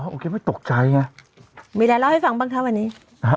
โอเคไม่ตกใจไงมีอะไรเล่าให้ฟังบ้างคะวันนี้นะฮะ